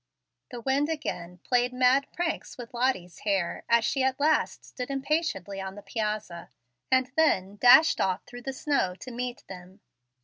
The wind again played mad pranks with Lottie's hair as she at last stood impatiently on the piazza, and then dashed off through the snow to meet them.